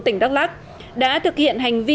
tỉnh đắk lắc đã thực hiện hành vi